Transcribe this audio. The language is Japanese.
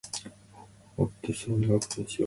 追ってそう願う事にしよう